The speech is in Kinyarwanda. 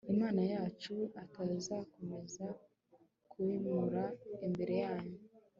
imana yacu, atazakomeza kubimura imbere yanyu